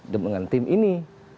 dengan tim ini